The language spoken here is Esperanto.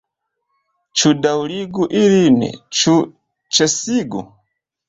Ĉu daŭrigu ilin, ĉu ĉesigu?